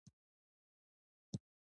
د ماهیانو ښکار په سیندونو کې کیږي